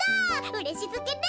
うれしすぎる！